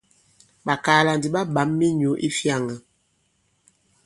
Ɓàkaala ndi ɓa ɓǎm minyǔ i fyāŋā.